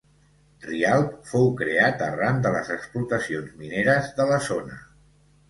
Rialb fou creat arran de les explotacions mineres de la zona.